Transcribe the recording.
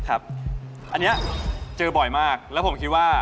อันนี้เจอบ่อยมากแล้วผมคิดว่า